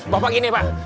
bapak gini pak